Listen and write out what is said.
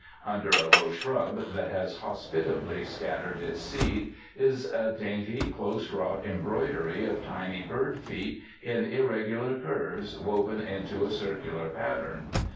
Under a low shrub that has hospitably scattered its seed is a dainty, close wrought embroidery of tiny bird feet in irregular curves woven into a circular pattern.